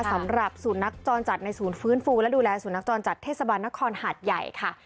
สำหรับส่วนนักจรจัดในฟื้นฟูและดูแลส่วนนักจรจัดเทศบาลนครหัดใหญ่ค่ะ